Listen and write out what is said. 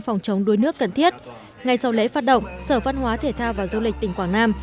phòng chống đuối nước cần thiết ngay sau lễ phát động sở văn hóa thể thao và du lịch tỉnh quảng nam